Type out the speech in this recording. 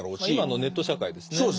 まあ今のネット社会ですね。